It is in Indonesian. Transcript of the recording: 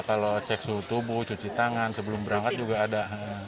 kalau cek suhu tubuh cuci tangan sebelum berangkat juga ada